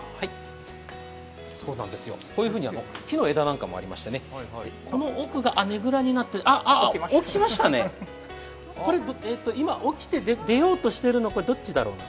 こういうふうに木の枝なんかもありましてね、この奥がねぐらにあっ、起きましたね、今、起きて出ようとしてるのはどっちだろう。